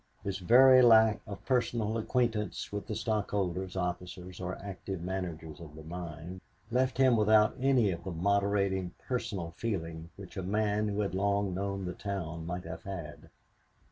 His very lack of personal acquaintance with the stockholders, officers or active managers of the mine left him without any of the moderating personal feeling which a man who had long known the town might have had.